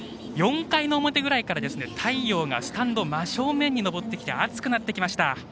４回の表ぐらいから太陽がスタンド真正面に昇ってきて、暑くなってきました。